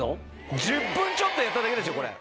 １０分ちょっとやっただけですよこれ。